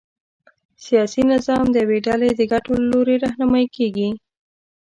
سیاسي نظام د یوې ډلې د ګټو له لوري رهنمايي کېږي.